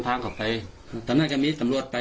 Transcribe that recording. ดีไม่เป็นสองตัวก็หาปลา